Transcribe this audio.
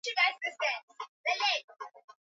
Mauaji yalitokea wakati Karume akicheza na wenzake